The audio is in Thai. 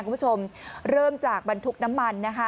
คุณผู้ชมเริ่มจากบรรทุกน้ำมันนะคะ